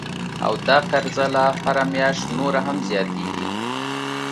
او دا قرضه لا هره میاشت نوره هم زیاتیږي